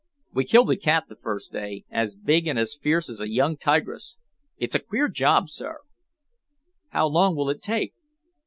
We killed a cat the first day, as big and as fierce as a young tigress. It's a queer job, sir." "How long will it take?"